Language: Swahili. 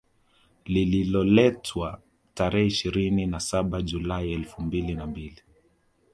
Lililotolewa tarehe ishirini na saba Julai elfu mbili na mbili